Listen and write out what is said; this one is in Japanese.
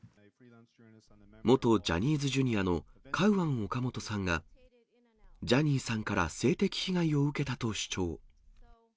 元ジャニーズＪｒ．のカウアン・オカモトさんがジャニーさんから性的被害を受けたと主張。